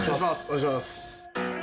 お願いします。